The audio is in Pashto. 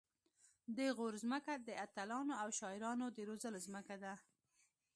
د غور ځمکه د اتلانو او شاعرانو د روزلو ځمکه ده